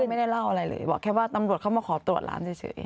ไม่ได้เล่าอะไรเลยบอกแค่ว่าตำรวจเข้ามาขอตรวจร้านเฉย